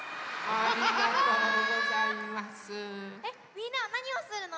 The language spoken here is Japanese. みんなはなにをするの？